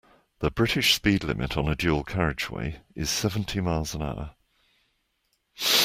The British speed limit on a dual carriageway is seventy miles an hour